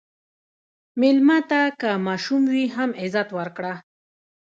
مېلمه ته که ماشوم وي، هم عزت ورکړه.